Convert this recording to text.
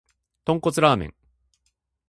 豚骨ラーメン